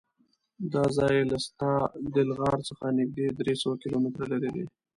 دا ځای له ستادل غار څخه نږدې درېسوه کیلومتره لرې دی.